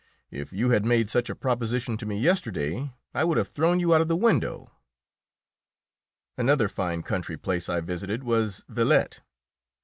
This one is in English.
If you had made such a proposition to me yesterday I would have thrown you out of the window." Another fine country place I visited was Villette.